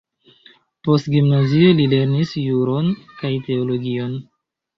Post gimnazio li lernis juron kaj teologion.